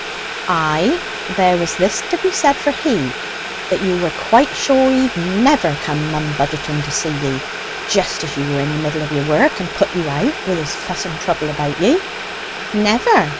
"Ay, there was this to be said for he, that you were quite sure he'd never come mumbudgeting to see ye, just as you were in the middle of your work, and put you out with his fuss and trouble about ye." "Never.